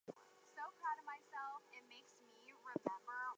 This process was similar to Polacolor film with added timing and receiving layers.